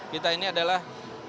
kita ini adalah